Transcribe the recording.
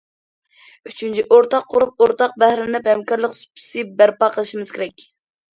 ئۈچىنچى، ئورتاق قۇرۇپ، ئورتاق بەھرىلىنىپ، ھەمكارلىق سۇپىسى بەرپا قىلىشىمىز كېرەك.